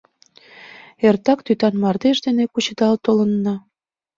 — Эртак тӱтан мардеж дене кучедал толынна.